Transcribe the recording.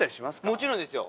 もちろんですよ。